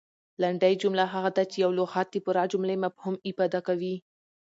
لنډکۍ جمله هغه ده، چي یو لغت د پوره جملې مفهوم افاده کوي.